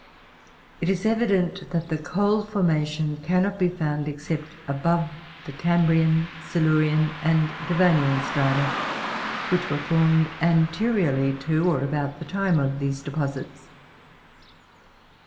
It is evident that the coal formation cannot be found except above the Cambrian, Silurian and Devonian strata, which were formed anteriorly to, or about the time of these deposites.